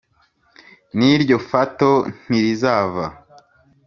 n'iryo fato ntirizava